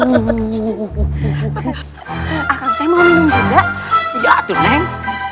aku mau minum juga ya tuh neng